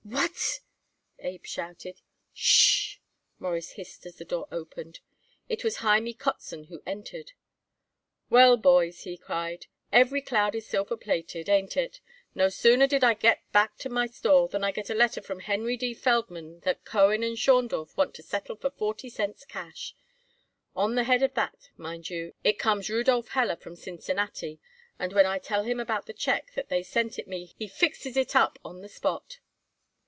"What!" Abe shouted. "S sh," Morris hissed as the door opened. It was Hymie Kotzen who entered. "Well, boys," he cried, "every cloud is silver plated. Ain't it? No sooner did I get back to my store than I get a letter from Henry D. Feldman that Cohen & Schondorf want to settle for forty cents cash. On the head of that, mind you, in comes Rudolph Heller from Cincinnati, and when I tell him about the check what they sent it me he fixes it up on the spot."